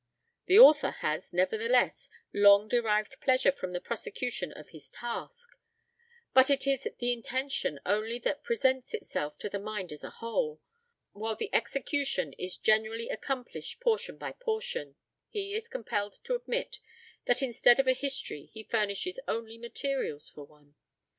The author has, nevertheless, long derived pleasure from the prosecution of his task: but as it is the intention only that presents itself to the mind as a whole, while the execution is generally accomplished portion by portion, he is compelled to admit that instead of a history he furnishes only materials for one.